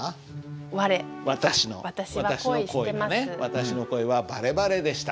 私の恋はバレバレでした。